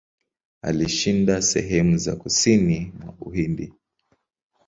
Alishinda sehemu za kusini mwa Uhindi.